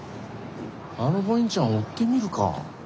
あのボインちゃん追ってみるか。